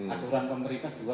aturan pemerintah juga kayak